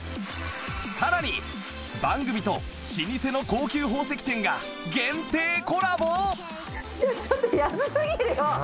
さらに番組と老舗の高級宝石店が限定コラボ！